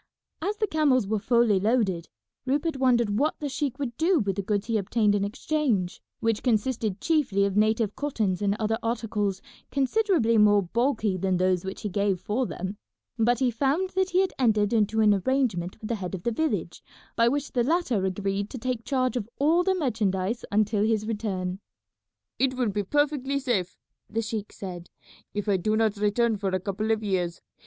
As the camels were fully loaded, Rupert wondered what the sheik would do with the goods he obtained in exchange, which consisted chiefly of native cottons and other articles considerably more bulky than those which he gave for them; but he found that he had entered into an arrangement with the head of the village by which the latter agreed to take charge of all the merchandise until his return. "It will be perfectly safe," the sheik said, "if I do not return for a couple of years.